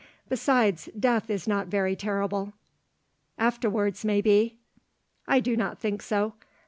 Besides, death is not very terrible." "Afterwards may be." "I do not think so.